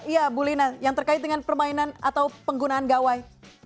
iya bu lina yang terkait dengan permainan atau penggunaan gawai